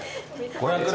５００ｇ